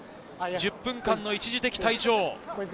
１０分間の一時的退場。